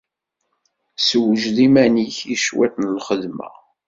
Ssewjed iman-nnek i cwiṭ n lxedma.